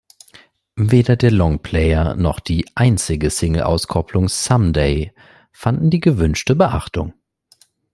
Weder der Longplayer noch die einzige Singleauskopplung "Someday" fanden die gewünschte Beachtung.